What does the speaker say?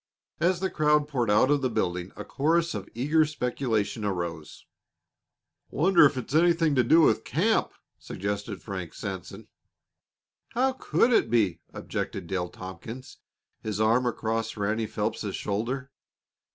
As the crowd poured out of the building a chorus of eager speculation arose. "Wonder if it's anything to do with camp," suggested Frank Sanson. "How could it be?" objected Dale Tompkins, his arm across Ranny Phelps's shoulder.